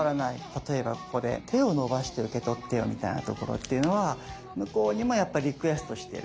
例えばここで「手をのばして受けとってよ」みたいなところっていうのは向こうにもやっぱリクエストしてる。